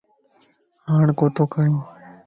ھاڻ ڪوتو کائي